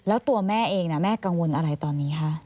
แล้วตัวแม่เองแม่กังวลอะไรตอนนี้คะ